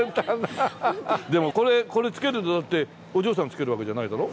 でもこれ漬けるのだってお嬢さん漬けるわけじゃないだろ？